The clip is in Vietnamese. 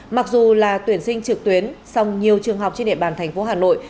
mặc dù là tuyển sinh trực tuyến song nhiều trường học trên địa bàn thành phố hà nội